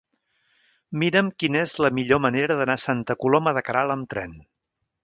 Mira'm quina és la millor manera d'anar a Santa Coloma de Queralt amb tren.